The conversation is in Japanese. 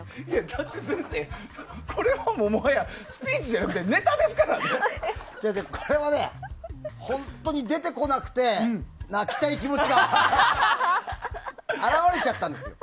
だって、先生これはもはやスピーチじゃなくて違う、これはね本当に出てこなくて、泣きたい気持ちが表れちゃったんですよ。